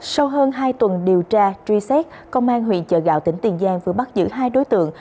sau hơn hai tuần điều tra truy xét công an huyện chợ gạo tỉnh tiền giang vừa bắt giữ hai đối tượng